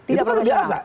itu kan biasa